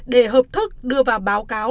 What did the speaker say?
để hợp thức đưa vào báo cáo